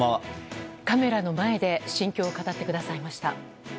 カメラの前で心境を語ってくださいました。